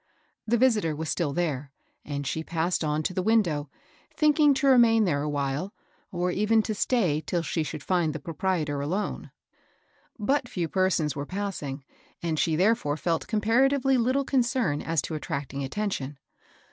The visitor was still there ; and she passed on to the window, think ing to remain there a while, or even to stay till she should find the proprietor alone. But few persons were passing, and she therefore felt comparatively little concern as to attracting attention.